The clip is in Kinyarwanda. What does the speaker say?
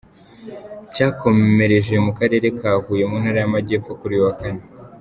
cyakomereje mu karere ka Huye mu ntara y’Amajyepfo kuri uyu wa kane.